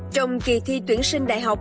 trong kỳ thi tuyển sinh đại học